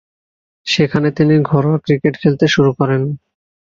সেখানে তিনি ঘরোয়া ক্রিকেট খেলতে শুরু করেন।